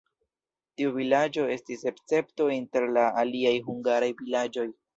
Tiu vilaĝo estis escepto inter la aliaj hungaraj vilaĝoj.